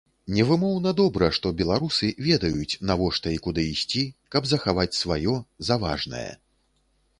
Невымоўна добра, што беларусы ведаюць, навошта і куды ісці, каб захаваць сваё, за важнае.